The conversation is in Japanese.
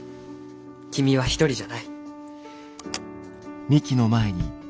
君は一人じゃない。